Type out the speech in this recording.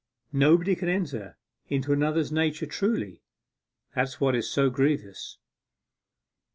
Nobody can enter into another's nature truly, that's what is so grievous.